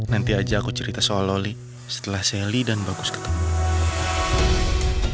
nanti aja aku cerita soal loli setelah sally dan bagus ketemu